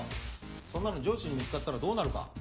そんなの上司に見つかったらどうなるか。